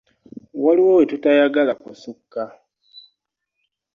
Waliwo we tutayagala kusukka.